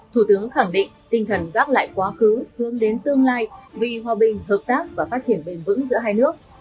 thủ tướng khẳng định tinh thần gác lại quá khứ hướng đến tương lai vì hòa bình hợp tác và phát triển bền vững giữa hai nước